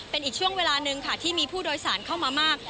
เป็นอีกช่วงเวลาหนึ่งค่ะที่มีผู้โดยสารเข้ามามาก